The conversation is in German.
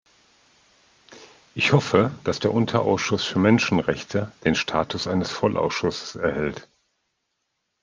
Ich hoffe, dass der Unterausschuss für Menschenrechte den Status eines Vollausschusses erhält.